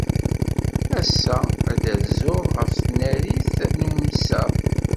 Ass-a, ad rzuɣ ɣef tnarit n umsaɣ.